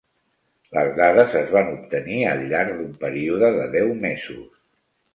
Les dades es van obtenir al llarg d'un període de deu mesos.